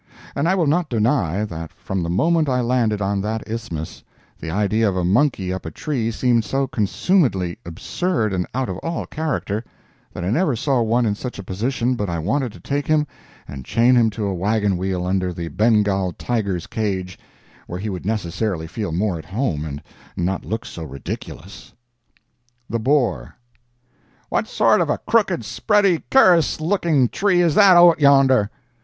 And I will not deny that from the moment I landed on that Isthmus, the idea of a monkey up a tree seemed so consumedly absurd and out of all character, that I never saw one in such a position but I wanted to take him and chain him to a wagon wheel under the Bengal tiger's cage, where he would necessarily feel more at home and not look so ridiculous. THE BORE "What sort of a crooked, spready, cur'us looking tree is that out yonder?"